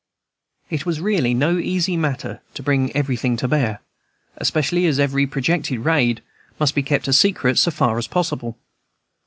It was really no easy matter to bring everything to bear, especially as every projected raid must be kept a secret so far as possible.